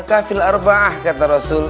kafir al arba'ah kata rasul